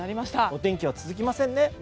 お天気は続きませんね。